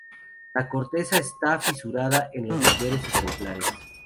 La corteza está fisurada en los mayores ejemplares.